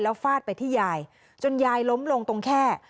ฟาดไปที่ยายจนยายล้มลงตรงแค่